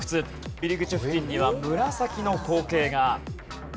入り口付近には紫の光景が。